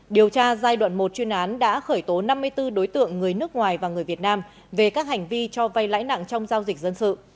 điều tra giai đoạn một chuyên án đã khởi tố năm mươi bốn đối tượng người nước ngoài và người việt nam về các hành vi cho vay lãi nặng trong giao dịch dân sự